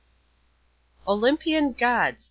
Olympian Gods!